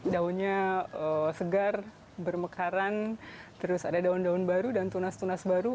daunnya segar bermekaran terus ada daun daun baru dan tunas tunas baru